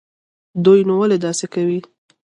دوى نو ولې داسې کوي.